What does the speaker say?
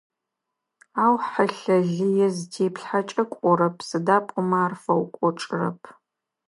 Ау хьылъэ лые зытеплъхьэкӏэ кӏорэп, сыда пӏомэ ар фэукӏочӏырэп.